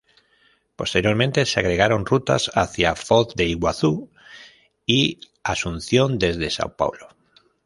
Posteriormente se agregaron rutas hacia Foz de Iguazú y Asunción desde Sao Paulo.